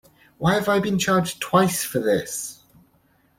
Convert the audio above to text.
Why have I been charged twice for this?